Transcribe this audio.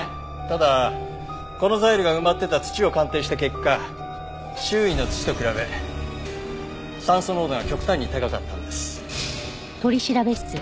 ただこのザイルが埋まってた土を鑑定した結果周囲の土と比べ酸素濃度が極端に高かったんです。